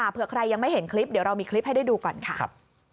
เผื่อใครยังไม่เห็นคลิปเดี๋ยวเรามีคลิปให้ได้ดูก่อนค่ะ